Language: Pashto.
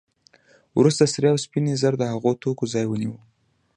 وروسته سرې او سپینې زر د هغو توکو ځای ونیو